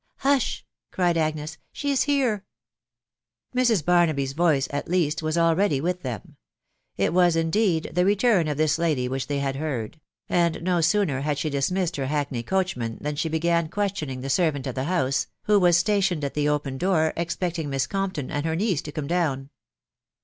" Hush !...." cried Agnes .... ie she is here I" Mrs. Barnaby 's voice, at least, was already with them. Tt was, indeed the return of this lady which they had heard ; and no sooner had she dismissed her hackney coachman than she began questioning the servant of the house, who was stationed at the open door, expecting Miss Compton and her niece to come down.